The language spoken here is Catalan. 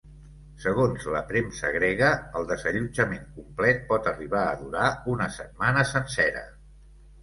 Segons la premsa grega, el desallotjament complet pot arribar a durar una setmana sencera.